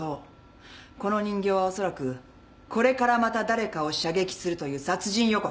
この人形はおそらくこれからまた誰かを射撃するという殺人予告。